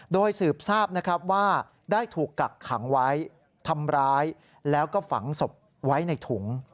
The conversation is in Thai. โดยสืบทราบนะครับว่าได้ถูกกักขังไว้ทำร้ายแล้วก็ฝังศพไว้ในถุง